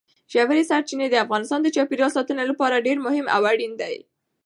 ژورې سرچینې د افغانستان د چاپیریال ساتنې لپاره ډېر مهم او اړین دي.